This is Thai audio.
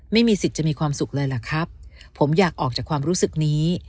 ไม่มีสิทธิ์จะมีความสุขเลยล่ะครับผมอยากออกจากความรู้สึกนี้